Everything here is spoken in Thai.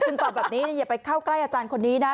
คุณตอบแบบนี้อย่าไปเข้าใกล้อาจารย์คนนี้นะ